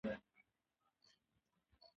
د واک چلند تاریخ جوړوي